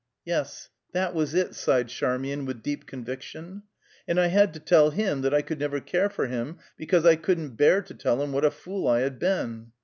"Yes, that was it," sighed Charmian, with deep conviction. "And I had to tell him that I could never care for him, because I couldn't bear to tell him what a fool I had been."